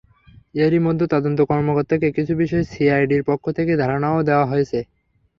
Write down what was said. এরই মধ্যে তদন্ত কর্মকর্তাকে কিছু বিষয়ে সিআইডির পক্ষ থেকে ধারণাও দেওয়া হয়েছে।